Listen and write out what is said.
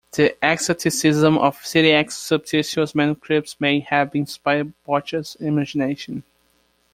The exoticism of Cyriac's sumptuous manuscripts may have inspired Bosch's imagination.